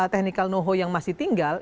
technical know how yang masih tinggal